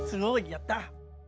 やった。